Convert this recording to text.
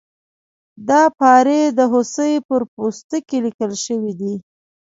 دا پارې د هوسۍ پر پوستکي لیکل شوي دي.